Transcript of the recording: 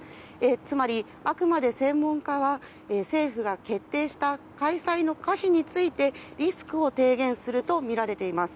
つまり、あくまで専門家は政府が決定した開催可否についてリスクを提言するとみられています。